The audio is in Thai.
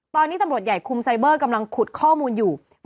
ตอนนี้ตำรวจใหญ่คุมไซเบอร์กำลังขุดข้อมูลอยู่